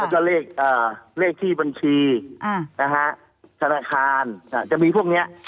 แล้วก็เลขที่บัญชีธนาคารจะมีพวกนี้